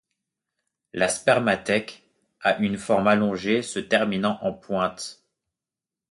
La spermathèque a une forme allongée se terminant en pointe.